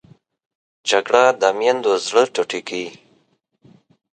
جګړه د میندو زړه ټوټې کوي